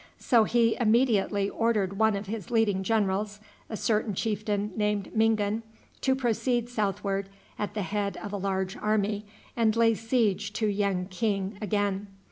So he immediately ordered one of his leading generals a certain chieftain named Mingan to proceed southward at the head of a large army and lay siege to Yen king again.